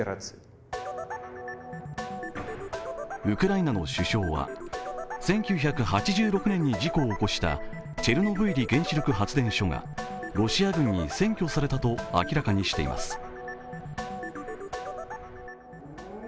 ウクライナの首相は、１９８６年に事故を起こしたチェルノブイリ原子力発電所がロシア軍に占拠されたと明らかにしています。